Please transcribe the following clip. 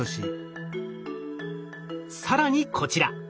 更にこちら。